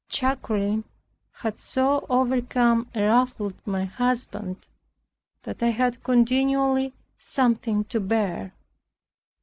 Chagrin had so overcome and ruffled my husband that I had continually something to bear.